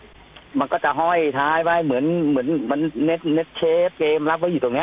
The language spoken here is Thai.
อืมมันก็จะห้อยท้ายไปเหมือนเหมือนมันเชฟเกมรับไว้อยู่ตรงเนี้ย